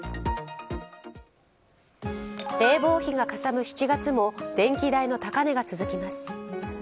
冷房費がかさむ７月も電気代の高値が続きます。